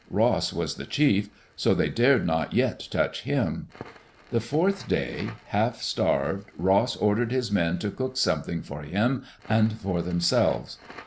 Ross was the chief; so they dared not yet touch him. The fourth day, half starved, Ross ordered his men to cook something for him and for themselves.